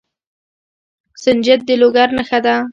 سنجد د لوګر نښه ده.